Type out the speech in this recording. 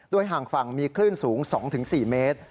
ห่างฝั่งมีคลื่นสูง๒๔เมตร